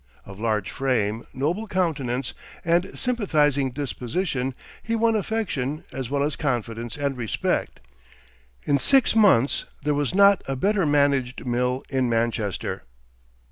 Of large frame, noble countenance, and sympathizing disposition, he won affection, as well as confidence and respect. In six months there was not a better managed mill in Manchester.